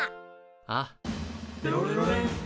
ああ。